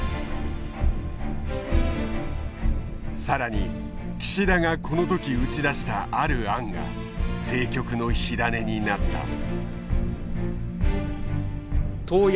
更に岸田がこの時打ち出したある案が政局の火種になった。